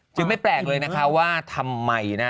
ไม่แปลกเลยนะคะว่าทำไมนะ